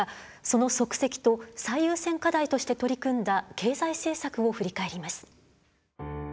その足跡と最優先課題として取り組んだ経済政策を振り返ります。